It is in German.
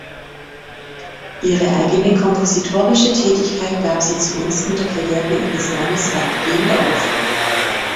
Ihre eigene kompositorische Tätigkeit gab sie zugunsten der Karriere ihres Mannes weitgehend auf.